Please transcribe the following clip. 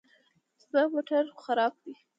زما موټر خراب دی